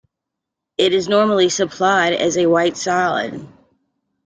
It is normally supplied as a white solid.